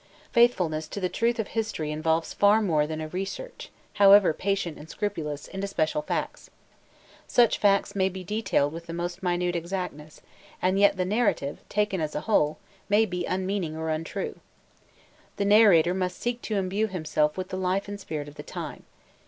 Faithfulness to the truth of history involves far more than a research, however patient and scrupulous, into special facts. Such facts may be detailed with the most minute exactness, and yet the narrative, taken as a whole, may be unmeaning or untrue. The narrator must seek to imbue himself with the life and spirit of the time.